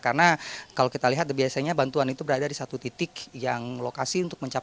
karena kalau kita lihat biasanya bantuan itu berada di satu titik yang lokasi untuk menyebabkan